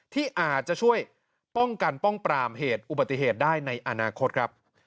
ที่อาจจะช่วยป้องกันป้องปรามเหตุอุบัติเหตุได้ในอนาคตครับ